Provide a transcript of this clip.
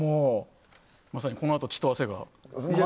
まさに、このあと血と汗が。